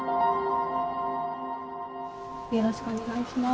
よろしくお願いします。